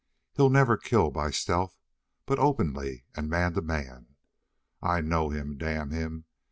He'll never kill by stealth, but openly and man to man. I know him, damn him.